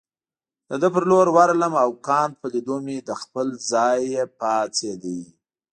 د ده پر لور ورغلم او کانت په لیدو مې له خپل ځای پاڅېد.